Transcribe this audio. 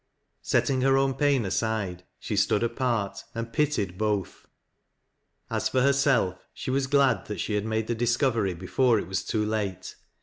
Setting her own pain aside, she stood apart, and pitied both. As for herself, she was glad that she had made the discovery before it was too late.